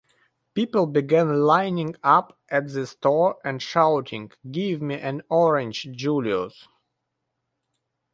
People began lining up at the store and shouting, Give me an Orange, Julius!